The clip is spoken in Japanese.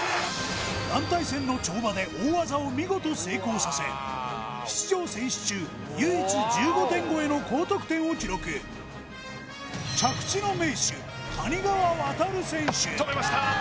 団体戦の跳馬で大技を見事成功させ出場選手中唯一１５点超えの高得点を記録着地の名手谷川航選手止めました